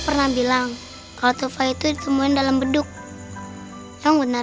berhak dong kamu sama uangnya